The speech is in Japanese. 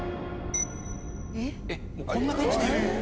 えっもうこんな感じでいるの？